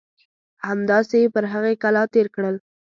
همداسې یې پر هغې کلا تېر کړل.